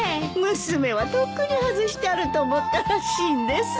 娘はとっくに外してあると思ったらしいんです。